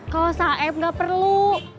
kalau saeb gak perlu